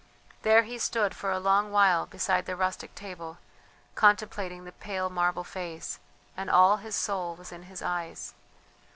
There he stood for a long while beside the rustic table contemplating the pale marble face, and all his soul was in his eyes.